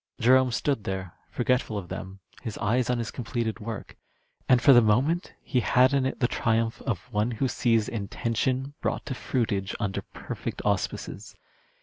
Jerome stood there forgetful of them, his eyes on his completed work, and for the moment he had in it the triumph of one who sees intention, brought to fruitage under perfect auspices.